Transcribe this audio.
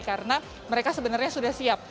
karena mereka sebenarnya sudah siap